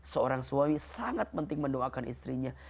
seorang suami sangat penting mendoakan istrinya